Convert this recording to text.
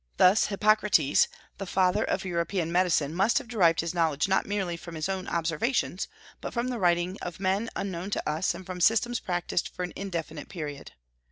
Thus Hippocrates, the father of European medicine, must have derived his knowledge not merely from his own observations, but from the writings of men unknown to us and from systems practised for an indefinite period.